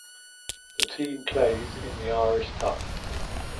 The team plays in the Irish Cup.